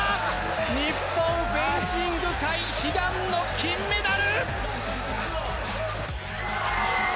日本、フェンシング界悲願の金メダル！